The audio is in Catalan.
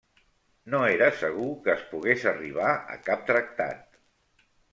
No era segur que es pogués arribar a cap tractat.